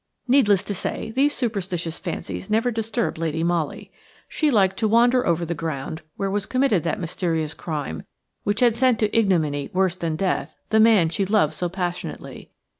Needless to say, these superstitious fancies never disturbed Lady Molly. She liked to wander over the ground where was committed that mysterious crime which had sent to ignominy worse than death the man she loved so passionately.